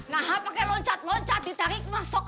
nah pakai loncat loncat ditarik masuk